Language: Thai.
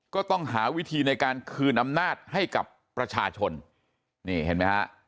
ก็ต้องหาวิธีในการคืนอำนาจให้กับประชาชนนี่เห็นไหมฮะ